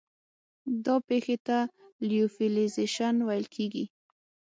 دا پېښې ته لیوفیلیزیشن ویل کیږي.